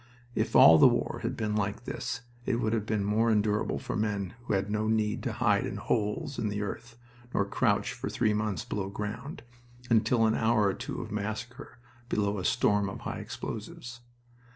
If all the war had been like this it would have been more endurable for men who had no need to hide in holes in the earth, nor crouch for three months below ground, until an hour or two of massacre below a storm of high explosives.